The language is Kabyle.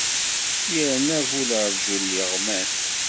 Yerna bu lerjul yeɣman.